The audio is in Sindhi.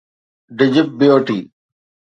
ڊجبيوٽي